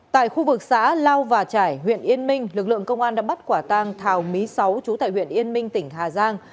tại khu vực xã lao và trải huyện yên minh lực lượng công an đã bắt quả tang thảo my sáu chú tại huyện yên minh tỉnh hà giang